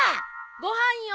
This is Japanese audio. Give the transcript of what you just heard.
・ご飯よ。